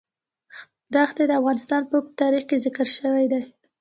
ښتې د افغانستان په اوږده تاریخ کې ذکر شوی دی.